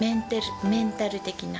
メンタル的な。